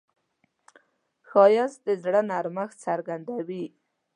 ښایست د زړه نرمښت څرګندوي